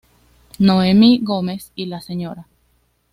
Noemí Gómez y la Sra.